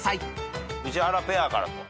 宇治原ペアから。